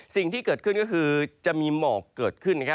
สิ่งที่เกิดขึ้นก็คือจะมีหมอกเกิดขึ้น